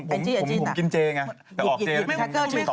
อันจี้ตักหยิบแคล็กเกอร์จืดต่ออยู่